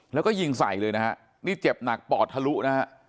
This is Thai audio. แล้วก็ยิงใส่เลยนะฮะนี่เจ็บหนักปอดทะลุนะฮะ